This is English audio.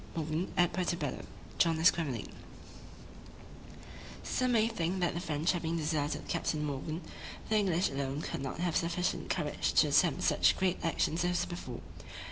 MORGAN AT PUERTO BELLO JOHN ESQUEMELING Some may think that the French having deserted Captain Morgan, the English alone could not have sufficient courage to attempt such great actions as before.